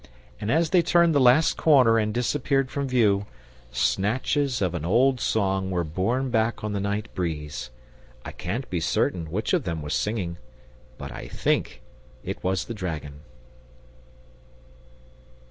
And, as they turned the last corner and disappeared from view, snatches of an old song were borne back on the night breeze. I can't be certain which of them was singing, but I THINK it was the Dragon!